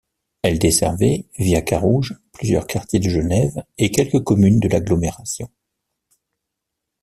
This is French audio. Elle desservait, via Carouge, plusieurs quartiers de Genève et quelques communes de l'agglomération.